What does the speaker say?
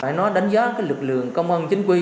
tại nó đánh giá lực lượng công an chính quy